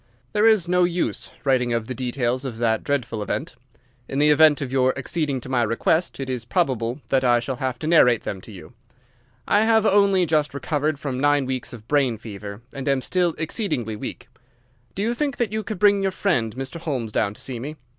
There is no use writing of the details of that dreadful event. In the event of your acceding to my request it is probable that I shall have to narrate them to you. I have only just recovered from nine weeks of brain fever, and am still exceedingly weak. Do you think that you could bring your friend Mr. Holmes down to see me?